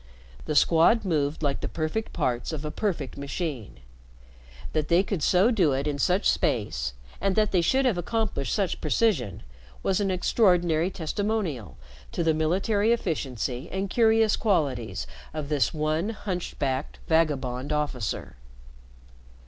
The Squad moved like the perfect parts of a perfect machine. That they could so do it in such space, and that they should have accomplished such precision, was an extraordinary testimonial to the military efficiency and curious qualities of this one hunchbacked, vagabond officer.